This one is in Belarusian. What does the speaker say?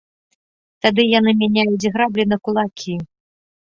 Тады яны мяняюць граблі на кулакі.